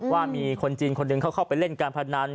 ว่ามีคนจีนคนหนึ่งเขาเข้าไปเล่นการพนัน